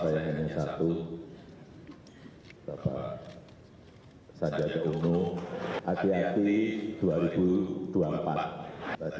kemungkinan dia menyampaikan yang hadir di sini adalah kandidat